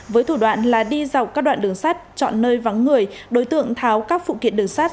với thủ đoạn là đi dọc các đoạn lương sát chọn nơi vắng người đối tượng tháo các phụ kiện lương sát